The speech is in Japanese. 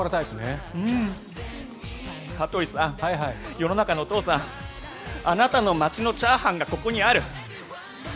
世の中のお父さんあなたの町のチャーハンがここにある！